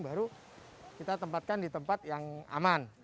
baru kita tempatkan di tempat yang aman